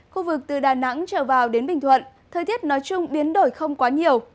khu vực từ đà nẵng trở vào đến bình thuận thời tiết nói chung biến đổi không quá nhiều